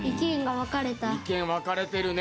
意見分かれてるね。